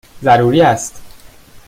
ضروری است!